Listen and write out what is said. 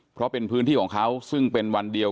เพราะเป็นพื้นที่ของเขาซึ่งเป็นวันเดียว